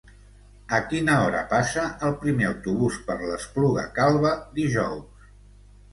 A quina hora passa el primer autobús per l'Espluga Calba dijous?